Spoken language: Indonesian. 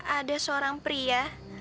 ada seorang pria